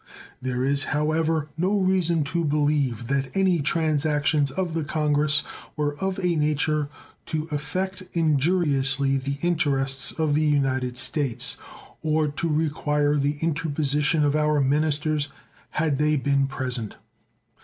There is, however, no reason to believe that any transactions of the congress were of a nature to affect injuriously the interests of the United States or to require the interposition of our ministers had they been present.